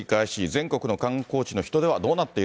全国の観光地の人出はどうなって